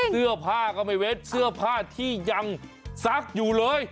เสื้อผ้าก็ไม่เว้นเสื้อผ้าที่ยังซักอยู่เลย